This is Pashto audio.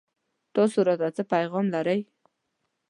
تاسو راته څه پيغام لرئ